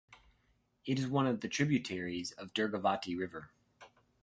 It is one of the tributaries of Durgavati River.